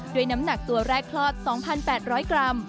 น้ำหนักตัวแรกคลอด๒๘๐๐กรัม